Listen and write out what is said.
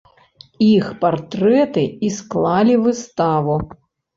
Іх партрэты і склалі выставу.